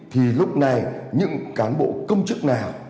thì lúc này những cán bộ công chức nào